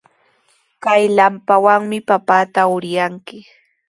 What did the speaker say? Kay lampawanmi papata uryanki.